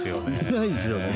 高いですよね。